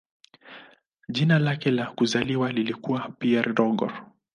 Jina lake la kuzaliwa lilikuwa "Pierre Roger".